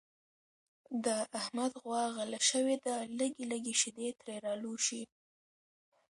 د احمد غوا غله شوې ده لږې لږې شیدې ترې را لوشي.